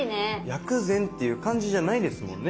薬膳っていう感じじゃないですもんね